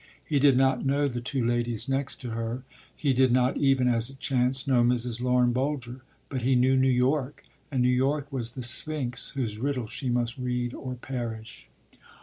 He did not know the two ladies next to her, he did not even, as it chanced, know Mrs. Lorin Boulger; but he knew New York, and New York was the sphinx whose riddle she must read or perish.